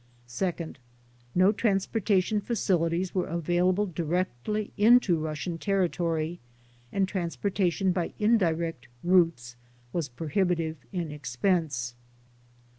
Second: No transportation facilities were available di rectly into Russian territory and transportation by indi rect routes was prohibitive in expense.